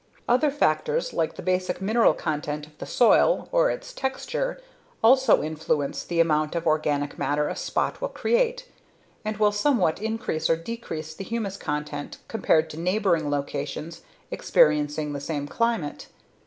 Other factors, like the basic mineral content of the soil or its texture, also influence the amount of organic matter a spot will create and will somewhat increase or decrease the humus content compared to neighboring locations experiencing the same climate.